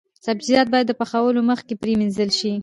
سبزیجات باید د پخولو مخکې پریمنځل شي.